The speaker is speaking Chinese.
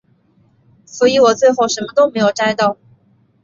所以我最后什么都没有摘到